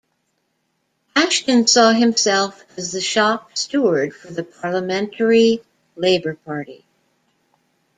Ashton saw himself as the shop steward for the Parliamentary Labour Party.